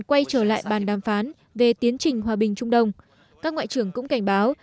quay trở lại bàn đàm phán về tiến trình hòa bình trung đông các ngoại trưởng cũng cảnh báo